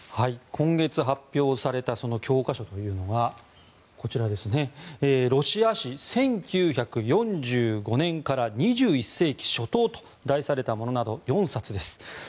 今月発表された教科書というのが「ロシア史１９４５年から２１世紀初頭」と題されたものなど４冊です。